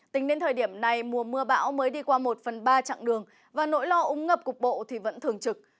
tính đến thời điểm này mùa mưa bão mới đi qua một phần ba chặng đường và nỗi lo ống ngập cục bộ thì vẫn thường trực